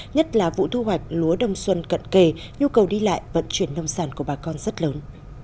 nhất là vụ thu hoạch lúa đông xuân cận kề nhu cầu đi lại vận chuyển nông sản của bà con rất lớn